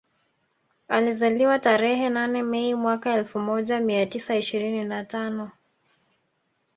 Alizaliwa tarehe nane Mei mwaka elfu moja mia tisa ishirini na tano